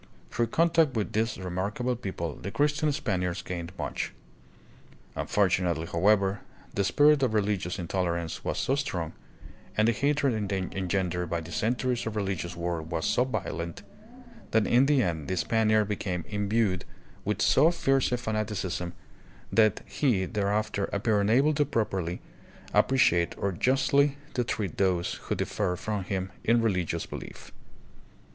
Through contact with this remark able people the Christian Spaniards gained much. Un fortunately, however, the spirit of religious intolerance was so strong, and the hatred engendered by the centuries of religious war was so violent, that in the end the Spaniard became imbued with so fierce a fanaticism that he there after appeared unable properly to appreciate or justly to treat those who differed from him in religious belief.